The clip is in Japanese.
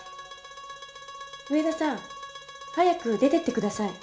上田さん早く出て行ってください。